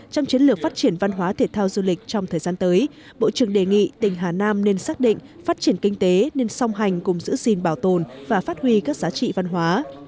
trong chiến lược phát triển văn hóa thể thao du lịch trong thời gian tới bộ trưởng đề nghị tỉnh hà nam nên xác định phát triển kinh tế nên song hành cùng giữ gìn bảo tồn và phát huy các giá trị văn hóa